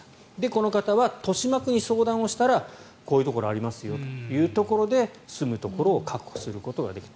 この方は豊島区に相談をしたらこういうところありますよということで住むところを確保できた。